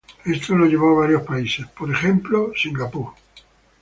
Esto lo llevó a varios países, por ejemplo.